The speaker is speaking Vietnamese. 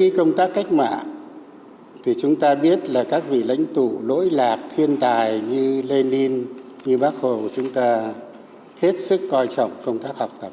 với cái công tác cách mạng thì chúng ta biết là các vị lãnh tụ lỗi lạc thiên tài như lê ninh như bác hồ chúng ta hết sức quan trọng công tác học tập